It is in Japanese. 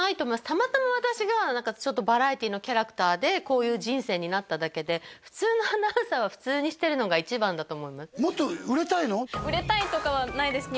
たまたま私がちょっとバラエティのキャラクターでこういう人生になっただけで普通のアナウンサーは普通にしてるのが一番だと思います売れたいとかはないです